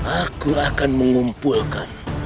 aku akan mengumpulkan